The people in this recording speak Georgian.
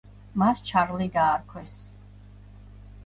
მას ჩარლი დაარქვეს.